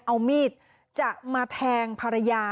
เอามีดจะมาแทงภรรยา